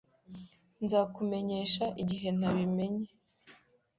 Nzakumenyesha igihe nabimenye.